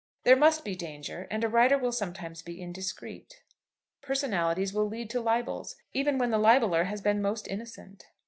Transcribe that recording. There must be danger, and a writer will sometimes be indiscreet. Personalities will lead to libels even when the libeller has been most innocent.